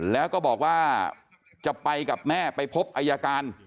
แล้วก็บอกว่าจะไปกับแม่ไปพบอายการ